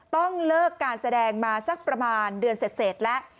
ต้องเลิกการแสดงมาสักประมาณเดือนเสร็จแล้ว